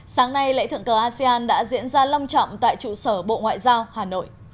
sáng nay lễ thượng cờ asean đã diễn ra long trọng tại trụ sở bộ ngoại giao hà nội